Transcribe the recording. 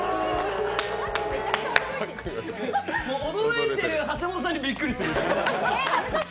驚いている橋本さんにびっくりする。